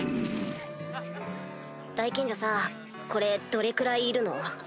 大賢者さこれどれくらいいるの？